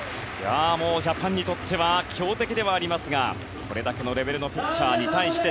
ジャパンにとっては強敵ではありますがこれだけのレベルのピッチャーに対して